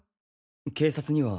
警察には？